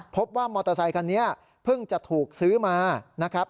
มอเตอร์ไซคันนี้เพิ่งจะถูกซื้อมานะครับ